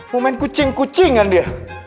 mau main kucing kucingan dia